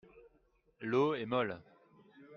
L'eau est molle.